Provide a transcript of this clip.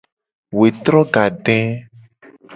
Wetro gade.